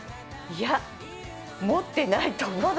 いや、持ってないと思う。